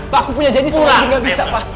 pak aku punya janji seharusnya dia gak bisa pak